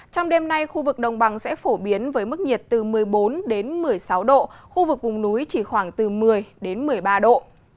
trong đêm nay khu vực đồng bằng sẽ phổ biến với mức nhiệt từ một mươi bốn đến một mươi sáu độ khu vực vùng núi chỉ khoảng từ một mươi đến một mươi ba độ